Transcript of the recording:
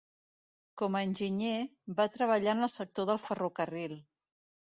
Com enginyer, va treballar en el sector del ferrocarril.